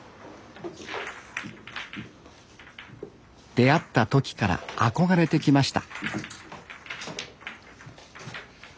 出会った時から憧れてきました